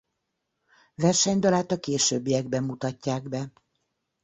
Versenydalát a későbbiekben mutatják be.